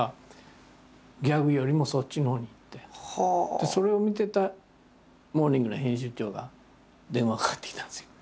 でそれを見てた「モーニング」の編集長が電話かかってきたんですよ。